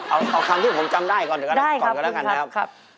เอาคำที่ผมจำได้ก่อนก็แล้วกันนะครับ